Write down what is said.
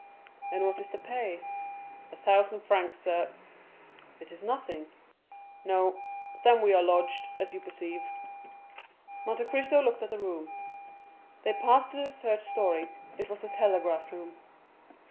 "And what is the pay?" "A thousand francs, sir." "It is nothing." "No; but then we are lodged, as you perceive." Monte Cristo looked at the room. They passed to the third story; it was the telegraph room.